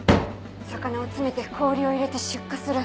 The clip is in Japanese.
魚を詰めて氷を入れて出荷する。